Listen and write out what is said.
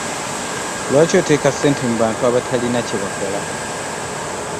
Lwaki oteeka sssente mu bantu abatalina kyebakola?